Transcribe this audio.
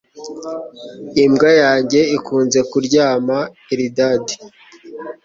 Imbwa yanjye ikunze kuryama Eldad